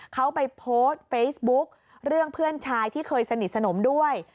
เขาไปโพสต์เฟซบุ๊กเรื่องเพื่อนชายที่เคยสนิทสนมด้วย